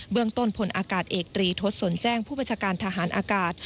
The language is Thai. เรื่องต้นพลอากาศเอกตรีทศสนแจ้งผู้บัญชาการทหารอากาศ